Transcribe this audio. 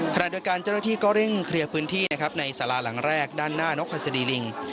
ขณะด้วยการเจ้าที่ก็เริ่มเคลียร์พื้นที่นะครับในสาราหลังแรกด้านหน้านกขสดีลิง